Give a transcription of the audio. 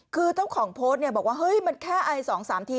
คือเจ้าของโพสต์เนี่ยบอกว่าเฮ้ยมันแค่ไอ๒๓ที